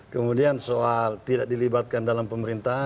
kemudian soal tidak dilibatkan dalam pemerintahan